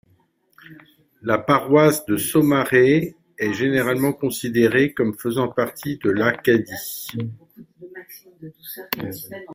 La paroisse de Saumarez est généralement considérée comme faisant partie de l'Acadie.